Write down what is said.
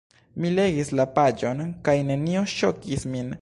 Mi legis la paĝon kaj nenio ŝokis min.